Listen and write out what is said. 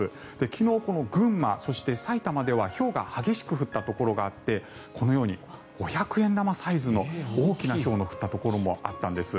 昨日、群馬、そして埼玉ではひょうが激しく降ったところがあってこのように五百円玉サイズの大きなひょうが降ったところもあったんです。